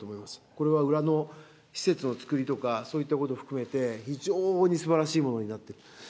これは裏の施設の造りとか、そういったこと含めて、非常にすばらしいものになっている。